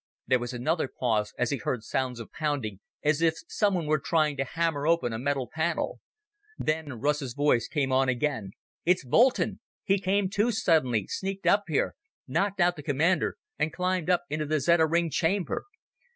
There was another pause as he heard sounds of pounding, as if someone were trying to hammer open a metal panel. Then Russ's voice came on again. "Its Boulton! He came to suddenly, sneaked up here, knocked out the commander, and climbed up into the Zeta ring chamber!